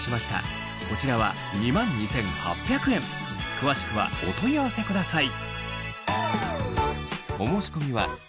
詳しくはお問い合わせください